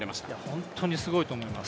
本当にすごいと思います。